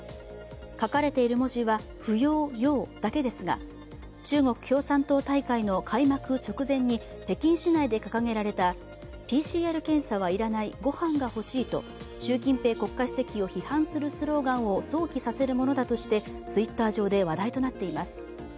書かれている文字は「不要、要」だけですが、中国共産党大会の開幕直前に北京市内で掲げられたＰＣＲ検査は要らない、ご飯が欲しいと習近平国家主席を批判するスローガンを想起させるものだとしてＴｗｉｔｔｅｒ上で話題となっています。